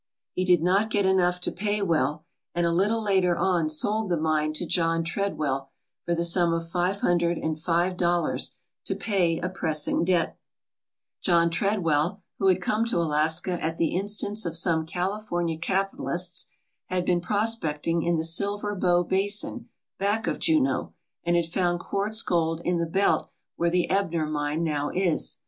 He did not get enough to pay well, and a little later on sold the mine to John Treadwell for the sum of five hun dred and five dollars to pay a pressing debt, John Treadwell, who had come to Alaska at the instance of some California capitalists, had been prospecting in the Silver Bow basin, back of Juneau, and had found quartz gold in the belt where the Ebner mine now is.